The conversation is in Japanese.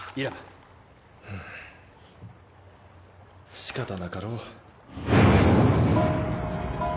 しかたなかろう。